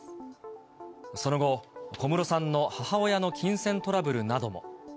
その後、小室さんの母親の金銭トラブルなども。